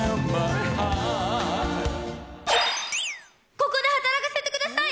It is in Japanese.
ここで働かせてください。